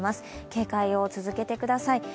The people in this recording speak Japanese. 警戒を続けてください。